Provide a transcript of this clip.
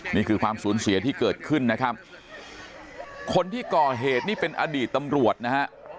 นี่คือความสูญเสียที่เกิดขึ้นนะครับคนที่ก่อเหตุนี่เป็นอดีตตำรวจนะฮะ